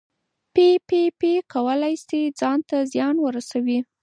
پي پي پي کولی شي ځان ته زیان ورسوي.